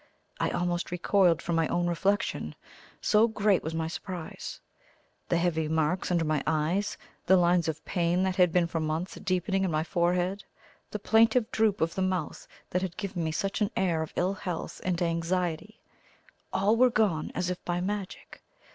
I almost recoiled from my own reflection, so great was my surprise. The heavy marks under my eyes, the lines of pain that had been for months deepening in my forehead, the plaintive droop of the mouth that had given me such an air of ill health and anxiety all were gone as if by magic.